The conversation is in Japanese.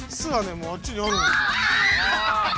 もうあっちにあるんですよ。